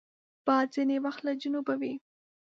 باد ځینې وخت له جنوبه وي